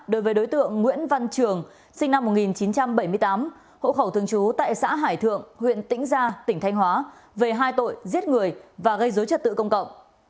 đối với đối tượng nguyễn văn trường sinh năm một nghìn chín trăm bảy mươi tám hộ khẩu thường trú tại xã hải thượng huyện tĩnh gia tỉnh thanh hóa về hai tội giết người và gây dối trật tự công cộng